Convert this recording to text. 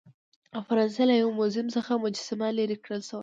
د فرانسې له یو موزیم څخه مجسمه لیرې کړل شوه.